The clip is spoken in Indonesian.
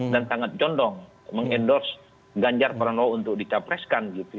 dan sangat condong mengendorse ganjar pranowo untuk dicapreskan gitu